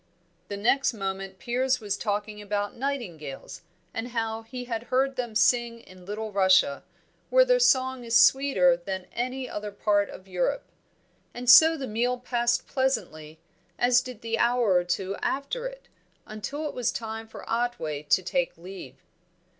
The next moment Piers was talking about nightingales, how he had heard them sing in Little Russia, where their song is sweeter than in any other part of Europe. And so the meal passed pleasantly, as did the hour or two after it, until it was time for Otway to take leave.